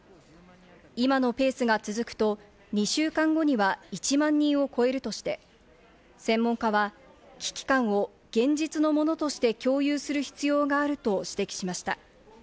今のペースが続くと、２週間後には１万人を超えるとして、専門家は危機感を現実のものとして共有する必要があると指摘しました。